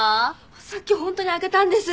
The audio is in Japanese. さっき本当に開けたんです。